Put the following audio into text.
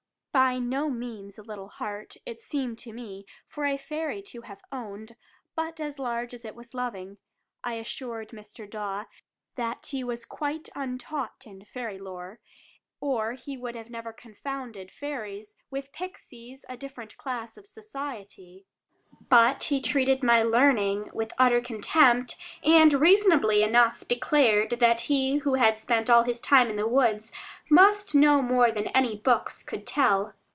By no means a "little heart," it seemed to me, for a fairy to have owned, but as large as it was loving. I assured Mr. Dawe that he was quite untaught in fairy lore, or he never would have confounded fairies with pixies, a different class of society. But he treated my learning with utter contempt, and reasonably enough declared that he who spent all his time in the woods must know more than any books could tell.